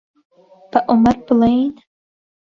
بە عومەر بڵێین؟